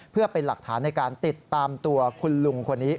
เพื่อเป็นหลักฐานในการติดตามตัวคุณลุงคนนี้